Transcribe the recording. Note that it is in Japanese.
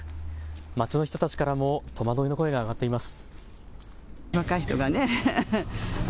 街の人たちからも戸惑いの声が上がっています。